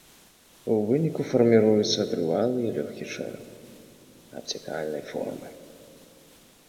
У выніку фарміруецца трывалы і лёгкі чэрап абцякальнай формы.